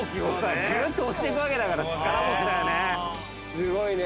すごいね。